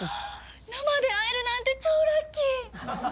生で会えるなんて超ラッキー！